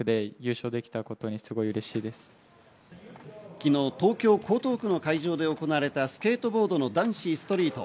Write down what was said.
昨日、東京・江東区の会場で行われたスケートボードの男子ストリート。